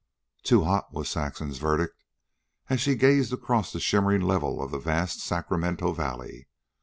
"Too hot," was Saxon's verdict, as she gazed across the shimmering level of the vast Sacramento Valley.